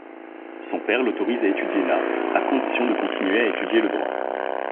Son père l'autorise à étudier l’art à condition de continuer à étudier le droit.